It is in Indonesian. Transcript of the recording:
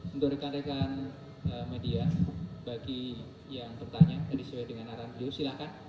untuk rekan rekan media bagi yang bertanya jadi saya dengan arahan video silahkan